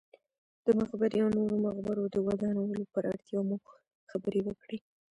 د مقبرې او نورو مقبرو د ودانولو پر اړتیا مو خبرې وکړې.